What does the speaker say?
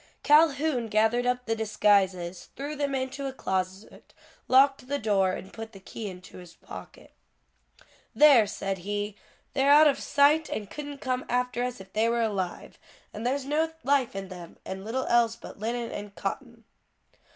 Calhoun gathered up the disguises, threw them into a closet, locked the door and put the key into his pocket. "There!" said he, "they're out of sight and couldn't come after us if they were alive; and there's no life in them; and little else but linen and cotton."